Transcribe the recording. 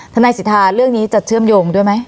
ทนายสิทธาเรื่องนี้จะเชื่อมโยงด้วยไหม